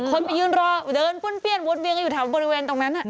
คนไปยืนรอเดินปุ้นเบี้ยนวุดเบี้ยงอยู่ทางบริเวณตรงนั้น